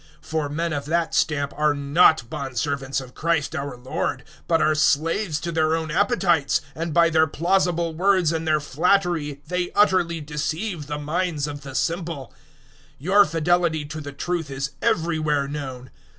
016:018 For men of that stamp are not bondservants of Christ our Lord, but are slaves to their own appetites; and by their plausible words and their flattery they utterly deceive the minds of the simple. 016:019 Your fidelity to the truth is everywhere known.